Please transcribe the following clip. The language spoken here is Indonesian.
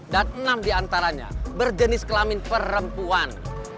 dan enam di antaranya berjenis kelamin perempuan